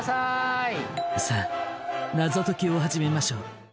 さあ、謎解きを始めましょう。